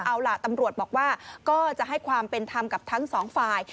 เอาล่ะตำรวจบอกว่าก็จะให้ความเป็นธรรมกับทั้งสองฝ่าย